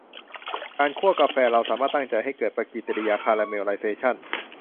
การคั่วกาแฟ เราสามารถตั้งใจให้เกิดปฏิกริยาคาราเมลไลเซชั่น